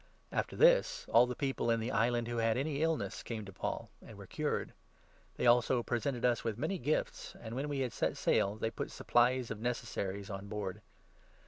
After this, all the people in the island who had any illness came 9 to Paul, and were cured. They also presented us with many ic gifts, and when we set sail they put supplies of necessaries on board.